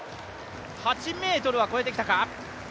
８ｍは越えてきたか？